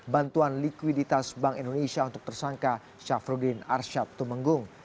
bantuan likuiditas bank indonesia untuk tersangka syafruddin arsyad tumenggung